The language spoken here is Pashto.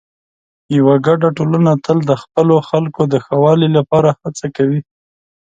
یوه ګډه ټولنه تل د خپلو خلکو د ښه والي لپاره هڅه کوي.